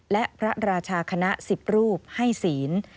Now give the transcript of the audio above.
และพระราชาคณะ๑๐รูปให้ศีล